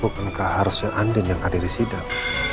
bukankah harusnya andi yang hadirin sidang